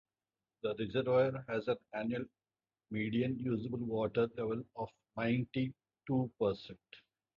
The reservoir has an annual median usable water level of ninety-two percent.